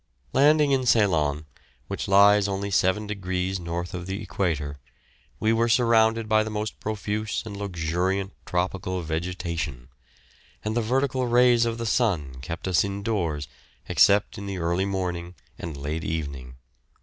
] Landing in Ceylon, which lies only seven degrees north of the Equator, we were surrounded by the most profuse and luxuriant tropical vegetation; and the vertical rays of the sun kept us indoors, except in the early morning and late evening.